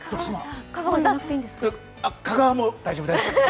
香川も大丈夫です。